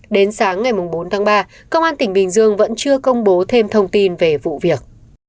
đến sáng ngày bốn tháng ba công an tỉnh bình dương vẫn chưa công bố thêm thông tin về vụ việc